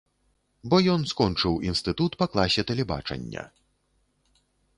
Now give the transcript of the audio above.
Бо ён скончыў інстытут па класе тэлебачання.